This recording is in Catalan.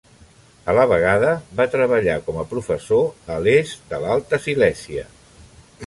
A la vegada, va treballar com a professor a l'est de l'Alta Silèsia.